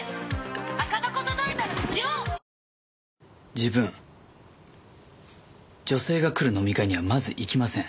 自分女性が来る飲み会にはまず行きません。